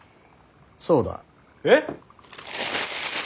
そうだ。えっ！